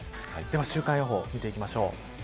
では週間予報を見ていきましょう。